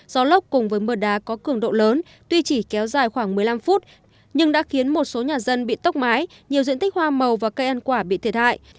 gió lốc cùng với mưa đá có cường độ lớn tuy chỉ kéo dài khoảng một mươi năm phút nhưng đã khiến một số nhà dân bị tốc mái nhiều diện tích hoa màu và cây ăn quả bị thiệt hại